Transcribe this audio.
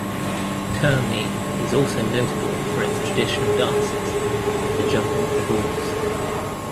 Turmi is also notable for its traditional dances and the Jumping of the Bulls.